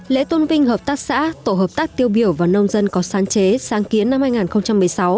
lễ tôn vinh hợp tác xã tổ hợp tác tiêu biểu và nông dân có sáng chế sáng kiến năm hai nghìn một mươi sáu